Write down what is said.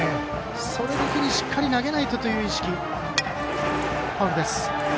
それだけにしっかり投げないとという意識。